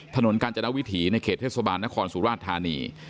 ถนนกาญจนวิถีในเขตเทศบาลนครสุราชธานี